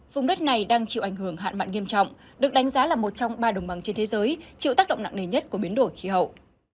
vùng đất này đang chịu ảnh hưởng hạn mặn nghiêm trọng được đánh giá là một trong ba đồng bằng trên thế giới chịu tác động nặng nề nhất của biến đổi khí hậu